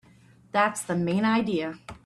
That's the main idea.